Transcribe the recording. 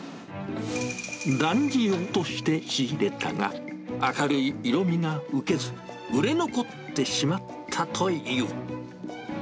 男児用として仕入れたが、明るい色味が受けず、売れ残ってしまったという。